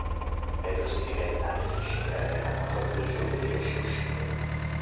Pedro si ribella e finisce in galera ma dopo due giorni riesce a uscire.